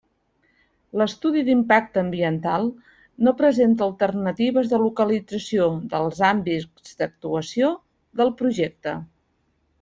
L'estudi d'impacte ambiental no presenta alternatives de localització dels àmbits d'actuació del projecte.